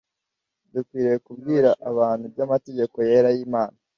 Dukwiriye kubwira abantu ibyo amategeko yera y’Imana,